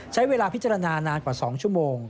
ใช้เวลาพิจารณานานกว่า๒ชั่วโมง